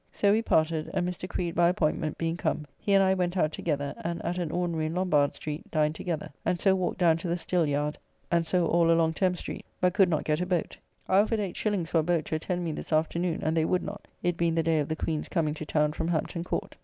So we parted, and Mr. Creed by appointment being come, he and I went out together, and at an ordinary in Lumbard Streete dined together, and so walked down to the Styllyard, and so all along Thames street, but could not get a boat: I offered eight shillings for a boat to attend me this afternoon, and they would not, it being the day of the Queen's coming to town from Hampton Court.